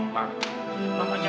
evita enggak ngelakuin itu ma